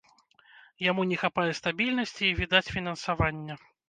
Яму не хапае стабільнасці і, відаць, фінансавання.